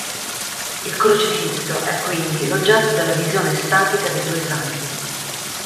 Il Crocifisso è quindi l'oggetto della visione estatica dei due santi.